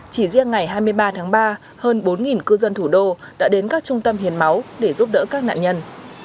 chỉ riêng ngày hai mươi ba tháng ba hơn bốn cư dân thủ đô đã đến các trung tâm hiền máu để giúp đỡ các nạn nhân